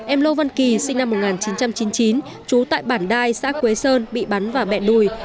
em lô văn kỳ sinh năm một nghìn chín trăm chín mươi chín chú tại bản đai xã quế sơn bị bắn vào bẹn đùi